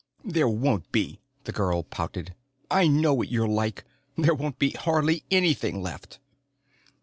"There won't be," the girl pouted. "I know what you're like. There won't be hardly anything left."